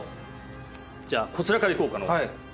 じゃあこちらからいこうかのう。